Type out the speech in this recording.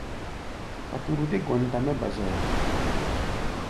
Paturu dé gɔnta mɛ́ ba zoya.